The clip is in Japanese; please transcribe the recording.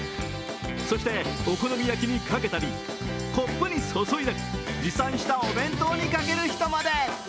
そして、お好み焼きにかけたりコップに注いだり、持参したお弁当にかける人まで。